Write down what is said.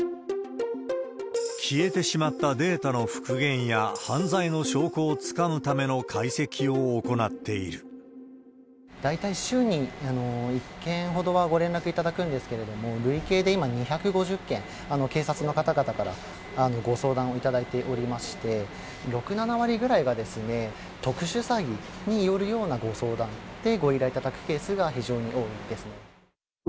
消えてしまったデータの復元や犯罪の証拠をつかむための解析大体、週に１件ほどはご連絡いただくんですけれども、累計で今２５０件、警察の方々からご相談をいただいておりまして、６、７割ぐらいが特殊詐欺によるようなご相談でご依頼いただくケースが非常に多いですね。